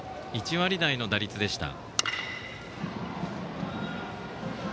１割台の打率でした。